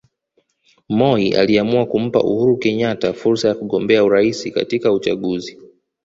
Moi aliamua kumpa Uhuru Kenyatta fursa ya kugombea urais katika uchaguzi